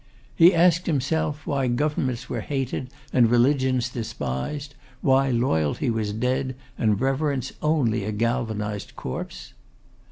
He asked himself why governments were hated, and religions despised? Why loyalty was dead, and reverence only a galvanised corpse?